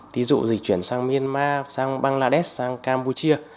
thí dụ dịch chuyển sang myanmar sang bangladesh sang campuchia